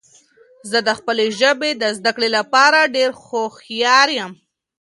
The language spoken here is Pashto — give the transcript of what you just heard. زه د خپلې ژبې د زده کړو لپاره ډیر هوښیار یم.